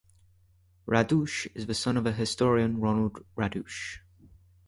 Radosh is the son of historian Ronald Radosh.